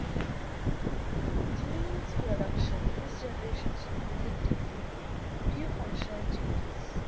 During its production, this generation saw relatively few functional changes.